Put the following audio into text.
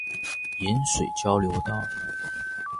鹽水交流道